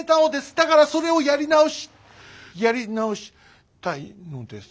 だからそれをやり直しやり直したいのです。